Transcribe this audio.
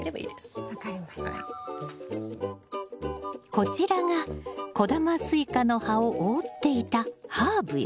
こちらが小玉スイカの葉を覆っていたハーブよ。